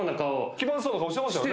気まずそうな顔してましたよね